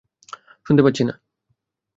শুনতে পাচ্ছি না।